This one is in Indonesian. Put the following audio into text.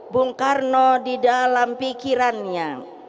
bung karno di dalam pikirannya